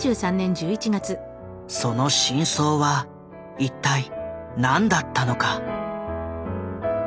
その真相は一体何だったのか。